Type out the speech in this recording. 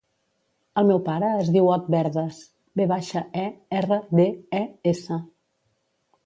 El meu pare es diu Ot Verdes: ve baixa, e, erra, de, e, essa.